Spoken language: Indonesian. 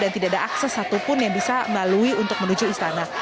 dan tidak ada akses satupun yang bisa melalui untuk menuju istana